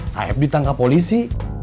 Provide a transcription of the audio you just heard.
saib ditangkap polisi